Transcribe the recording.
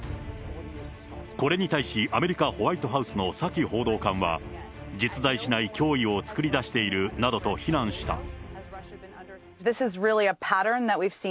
これに対し、アメリカ、ホワイトハウスのサキ報道官は、実在しない脅威を作りだしているなどと非難した。